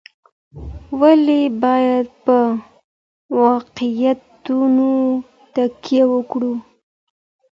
ولي بايد په واقعيتونو تکيه وکړو؟